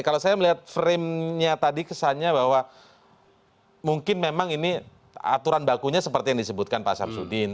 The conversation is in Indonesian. kalau saya melihat frame nya tadi kesannya bahwa mungkin memang ini aturan bakunya seperti yang disebutkan pak samsudin